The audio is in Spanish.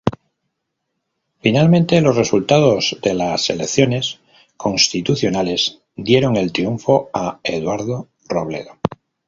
Finalmente los resultados de las Elecciones constitucionales dieron el triunfo a Eduardo Robledo.